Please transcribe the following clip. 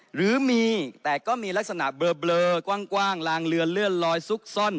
หรือมีแต่ก็มีลักษณะเบลอกว้างลางเรือนเลื่อนลอยซุกซ่อน